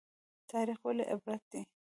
تاریخ ولې عبرت دی؟